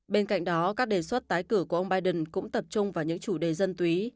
bên cạnh đó các đề xuất tái cử của ông biden cũng tập trung vào những chủ đề dân túy